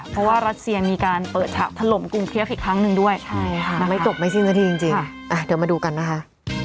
เพราะว่ารัสเซียมีการเปิดฉากถล่มกรุงเคียฟอีกครั้งหนึ่งด้วยมันไม่จบไม่สิ้นสักทีจริงเดี๋ยวมาดูกันนะคะ